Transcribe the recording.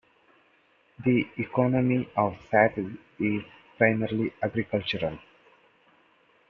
The economy of Satte is primarily agricultural.